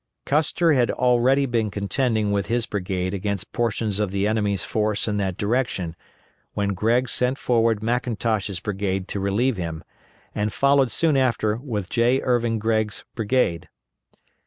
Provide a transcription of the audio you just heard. Custer had already been contending with his brigade against portions of the enemy's force in that direction, when Gregg sent forward McIntosh's brigade to relieve him, and followed soon after with J. Irvin Gregg's brigade.